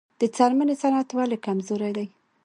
د څرمنې صنعت ولې کمزوری دی؟